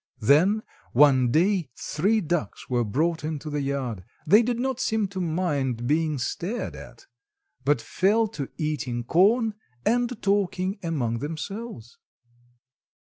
Then, one day three ducks were brought into the yard. They did not seem to mind being stared at, but fell to eating corn and talking among themselves.